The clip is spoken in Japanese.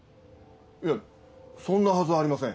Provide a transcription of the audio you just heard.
いやそんなはずありません。